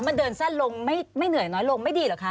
มันเดินสั้นลงไม่เหนื่อยน้อยลงไม่ดีเหรอคะ